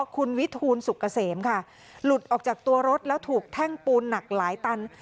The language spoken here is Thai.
คุณวิทูลสุกเกษมค่ะหลุดออกจากตัวรถแล้วถูกแท่งปูนหนักหลายตัน